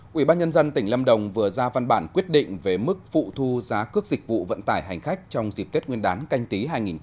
quỹ ban nhân dân tỉnh lâm đồng vừa ra văn bản quyết định về mức phụ thu giá cước dịch vụ vận tải hành khách trong dịp tết nguyên đán canh tí hai nghìn hai mươi